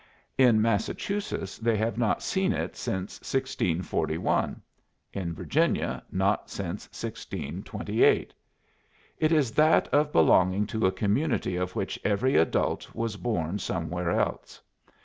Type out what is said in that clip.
In Massachusetts they have not seen it since 1641; in Virginia not since 1628. It is that of belonging to a community of which every adult was born somewhere else.